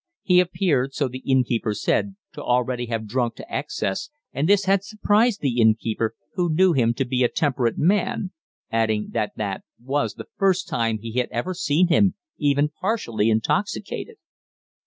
He appeared, so the innkeeper said, to already have drunk to excess, and this had surprised the innkeeper, who knew him to be a temperate man, adding that that was the first time he had ever seen him even partially intoxicated.